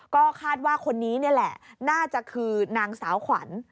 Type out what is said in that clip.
ก็คาดว่าคนนี้นี่แหละน่าจะคือนางสาวขวัญ